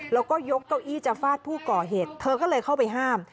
แล้วก็ยกเก้าอี้จะฟาดผู้ก่อเหตุเธอก็เลยเข้าไปห้าม